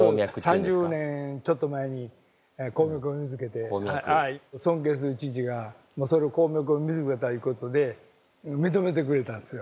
３０年ちょっと前に鉱脈を見つけて尊敬する父がその鉱脈を見つけたいうことで認めてくれたんですよ。